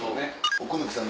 奥貫さん